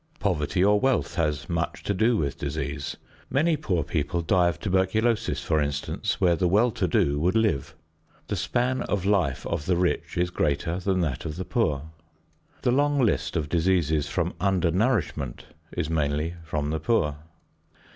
Poverty or wealth has much to do with disease. Many poor people die of tuberculosis, for instance, where the well to do would live. The span of life of the rich is greater than that of the poor. The long list of diseases from under nourishment is mainly from the poor.